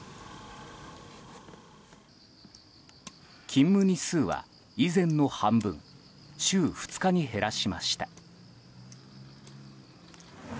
勤務日数は以前の半分週２日に減らしました。